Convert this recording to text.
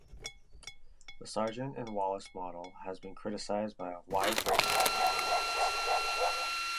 The Sargent and Wallace model has been criticised by a wide range of economists.